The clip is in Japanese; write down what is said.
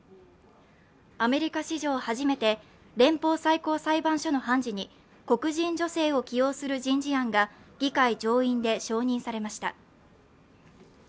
アメリカ史上初めて連邦最高裁判所の判事に黒人女性を起用する人事案が議会上院で承認されました。